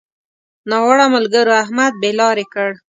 ناوړه ملګرو؛ احمد بې لارې کړ.